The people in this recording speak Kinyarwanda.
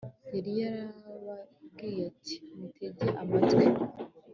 yari yababwiye ati mutege amatwi